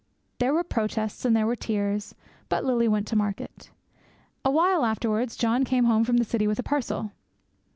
There were protests and there were tears, but Lily went to market. Awhile afterwards John came home from the city with a parcel.